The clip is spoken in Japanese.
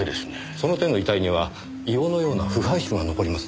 その手の遺体には硫黄のような腐敗臭が残りますね。